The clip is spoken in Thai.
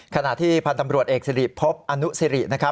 ขณะที่พันธ์ตำรวจเอกสิริพบอนุสิรินะครับ